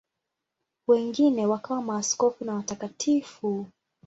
Wengine wakawa maaskofu na watakatifu.